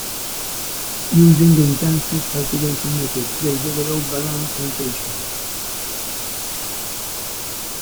Using intensive cultivation methods, they developed banana plantations.